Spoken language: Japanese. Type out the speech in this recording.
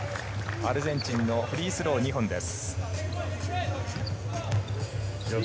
アルゼンチンのフリースロー、２本です。